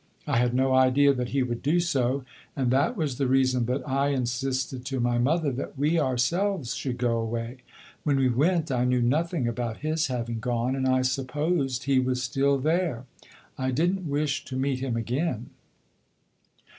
I had no idea that he would do so, and that was the reason that I insisted to my mother that we ourselves should go away. When we went I knew nothing about his having gone, and I supposed he was still there. I did n't wish to meet him again."